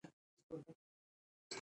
افغانستان د مس لپاره مشهور دی.